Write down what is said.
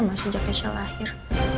mas sejak keisha lahir